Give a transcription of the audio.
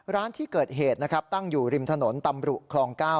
ร้านที่เกิดเหตุนะครับตั้งอยู่ริมถนนตำรุคลอง๙